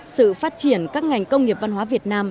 sự phát triển các ngành công nghiệp văn hóa việt nam